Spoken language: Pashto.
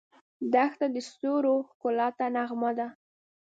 دښته د ستورو ښکلا ته نغمه ده.